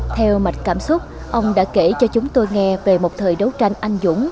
theo mạch cảm xúc ông đã kể cho chúng tôi nghe về một thời đấu tranh anh dũng